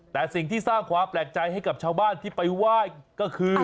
แต่สิ่งที่สร้างความแปลกใจให้กับชาวบ้านที่ไปไหว้ก็คือ